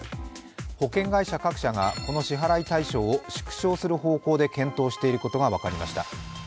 保険会社各社がこの支払い対象を縮小する方向で検討していることが分かりました。